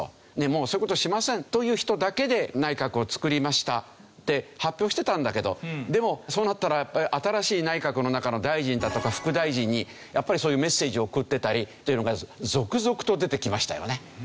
もうそういう事しませんという人だけで内閣を作りましたって発表してたんだけどでもそうなったら新しい内閣の中の大臣だとか副大臣にやっぱりそういうメッセージを送っていたりというのが続々と出てきましたよね。